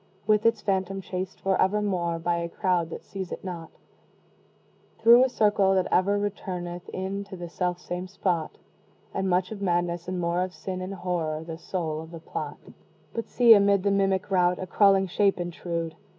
With its Phantom chased for evermore By a crowd that seize it not, Through a circle that ever returneth in To the self same spot; And much of Madness, and more of Sin And Horror, the soul of the plot! But see, amid the mimic rout, A crawling shape intrude!